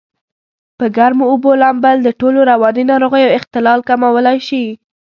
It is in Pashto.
په ګرمو اوبو لامبل دټولو رواني ناروغیو اختلال کمولای شي.